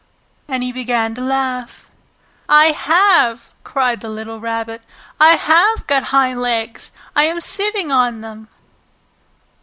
And he began to laugh. "I have!" cried the little Rabbit. "I have got hind legs! I am sitting on them!"